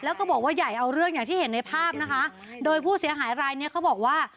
แล้วก็บอกว่าใหญ่เอาเรื่องอย่างที่เห็นในภาพนะคะโดยผู้เสียหายรายเนี้ยเขาบอกว่า